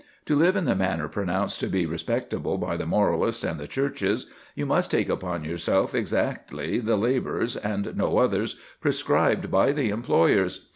To live in the manner pronounced to be respectable by the moralists and the Churches, you must take upon yourself exactly the labours, and no others, prescribed by the employers.